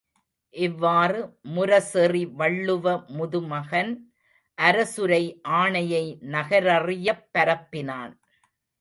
இவ்வாறு முரசெறி வள்ளுவ முதுமகன் அரசுரை ஆணையை நகரறியப் பரப்பினான்.